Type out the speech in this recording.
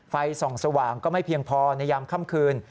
ไฟส่องสว่างก็ไม่เพียงพอในยามค่ำคืน